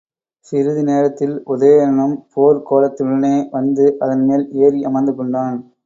சிறிது நேரத்தில் உதயணனும் போர்க் கோலத்துடனே வந்து அதன் மேல் ஏறி அமர்ந்து கொண்டான்.